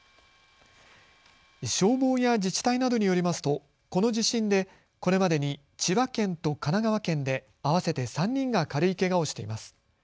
消防や自治体などによりますとこの地震でこれまでに千葉県と神奈川県で合わせて３人が軽いけがをしています。